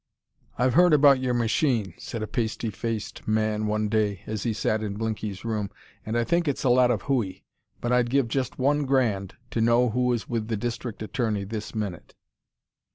"I've heard about your machine," said a pasty faced man one day, as he sat in Blinky's room, "and I think it's a lot of hooey. But I'd give just one grand to know who is with the district attorney this minute."